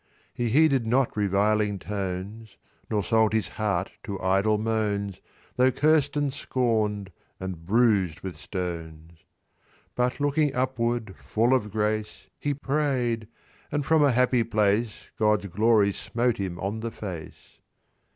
"He heeded not reviling tones, Nor sold his heart to idle moans, Tho' cursed and scorn'd, and bruised with stones: "But looking upward, full of grace, He pray'd, and from a happy place God's glory smote him on the face."